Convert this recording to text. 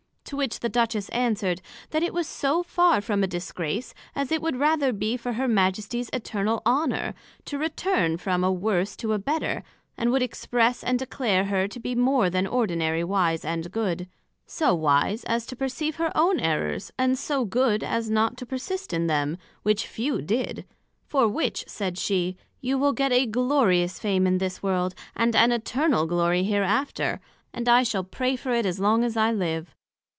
To which the Duchess answered, That it was so far from a disgrace, as it would rather be for her Majesties eternal honour, to return from a worse to a better, and would express and declare Her to be more then ordinary wise and good; so wise, as to perceive her own errors, and so good, as not to persist in them, which few did: for which, said she, you will get a glorious fame in this World, and an Eternal Glory hereafter; and I shall pray for it so long as I live.